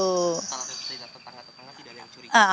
kalau tetangga tetangga tidak ada yang curiga